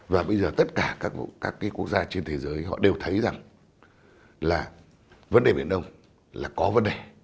và bây giờ tất cả các cái quốc gia trên thế giới họ đều thấy rằng là vấn đề biển đông là có vấn đề